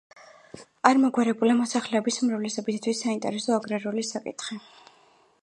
არ მოგვარებულა მოსახლეობის უმრავლესობისათვის საინტერესო აგრარული საკითხი.